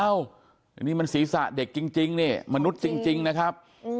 อันนี้มันศีรษะเด็กจริงเนี่ยมนุษย์จริงนะครับ